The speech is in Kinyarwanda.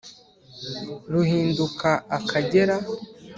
Ruhinduka Akagera